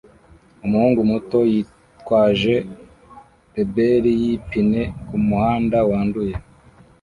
Umuhungu muto yitwaje reberi yipine kumuhanda wanduye